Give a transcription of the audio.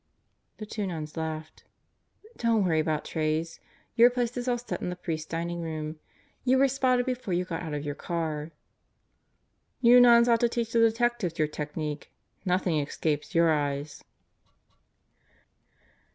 The two nuns laughed. "Don't worry about trays. Your place is all set in the priests' dining room. You were spotted before you got out of your car." "You nuns ought to teach the detectives your technique. Nothing escapes your eyes."